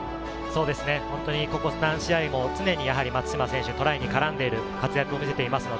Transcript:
ここ何試合も常に松島選手トライに絡んでいる活躍を見せています。